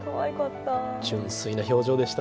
純粋な表情でしたね